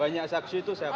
banyak saksi itu siapa